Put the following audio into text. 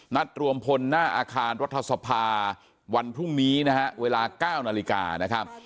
นัดรวมพลหน้าอาคารรัฐสภาวันพรุ่งนี้นะฮะเวลา๙นาฬิกานะครับ